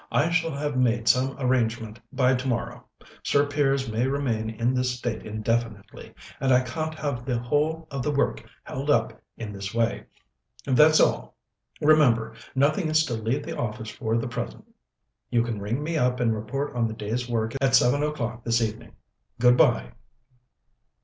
I shall have made some arrangement by tomorrow. Sir Piers may remain in this state indefinitely, and I can't have the whole of the work held up in this way.... That's all. Remember, nothing is to leave the office for the present. You can ring me up and report on the day's work at seven o'clock this evening. Good bye."